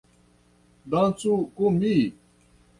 Dancu kun mi!